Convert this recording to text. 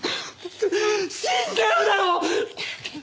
死んじゃうだろ！